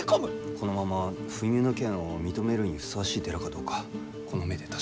このまま不入の権を認めるにふさわしい寺かどうかこの目で確かめる。